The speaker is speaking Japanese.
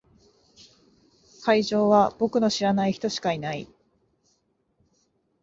会場は僕の知らない人しかいない。